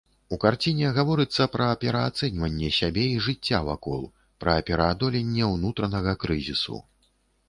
У карціне гаворыцца пра пераацэньванне сябе і жыцця вакол, пра пераадоленне ўнутранага крызісу.